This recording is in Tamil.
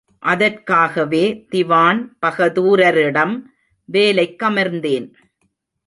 அதற்காகவே திவான்பகதுரரிடம் வேலைக்கமர்ந்தேன்.